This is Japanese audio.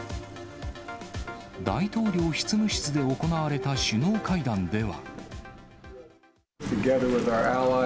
大統領執務室で行われた首脳会談では。